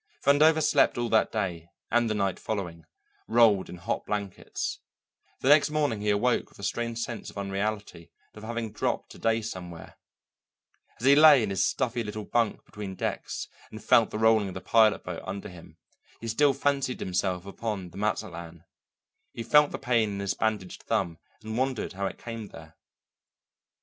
Vandover slept all that day and the night following, rolled in hot blankets. The next morning he awoke with a strange sense of unreality and of having dropped a day somewhere. As he lay in his stuffy little bunk between decks, and felt the rolling of the pilot boat under him, he still fancied himself upon the Mazatlan; he felt the pain in his bandaged thumb and wondered how it came there.